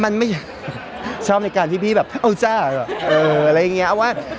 มันไม่ชอบในการที่พี่แบบเอาจ้าเอออะไรอย่างเงี้ยเอาว่า